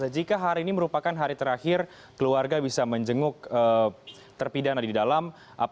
jika hari ini merupakan hari terakhir keluarga bisa menjenguk terpidana di dalam